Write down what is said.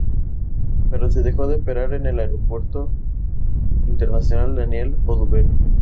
Pero se dejó de operar en el Aeropuerto Internacional Daniel Oduber.